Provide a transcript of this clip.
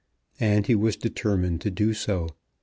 And he was determined to do so.